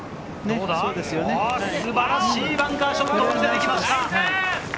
素晴らしいバンカーショット、見せてきました。